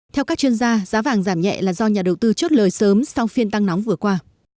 theo các chuyên gia giá vàng giảm nhẹ là do nhà đầu tư chốt lời sớm sau phiên tăng nóng vừa qua